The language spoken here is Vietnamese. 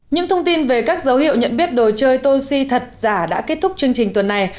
những thông tin về các dấu hiệu nhận biết đồ chơi tô si thật giả đã kết thúc chương trình tuần này